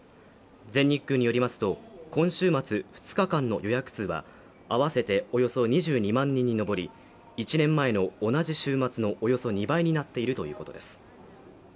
全日空によりますと今週末２日間の予約数は合わせておよそ２２万人に上り１年前の同じ週末のおよそ２倍になっているということです